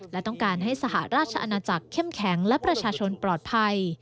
และต้องการให้สหราชอาณาจักรเข้มแข็งและประชาชนปลอดภัย